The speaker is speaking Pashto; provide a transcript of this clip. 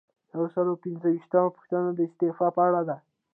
یو سل او پنځه ویشتمه پوښتنه د استعفا په اړه ده.